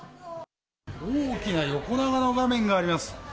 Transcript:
大きな横長の画面があります。